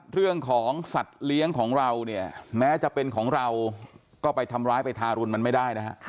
เรื่องของสัตว์เลี้ยงของเราเนี่ยแม้จะเป็นของเราก็ไปทำร้ายไปทารุณมันไม่ได้นะฮะ